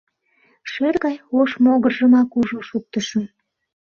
Шӧр гай ош могыржымак ужын шуктышым...